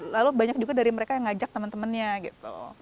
lalu banyak juga dari mereka yang ngajak temen temennya gitu